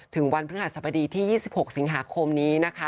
ถึงวันพฤหัสบดีที่๒๖สิงหาคมนี้นะคะ